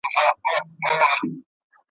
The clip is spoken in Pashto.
آبشا رونه روانیږی په سفر